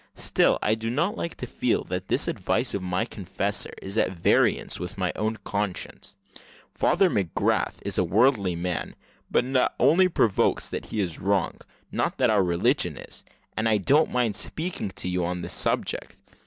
Still, I do not like to feel that this advice of my confessor is at variance with my own conscience. Father McGrath is a wordly man; but that only proves that he is wrong, not that our religion is and I don't mind speaking to you on this subject.